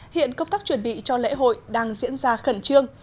hiện công tác chuẩn bị cho lễ hội đang diễn ra khẩn trương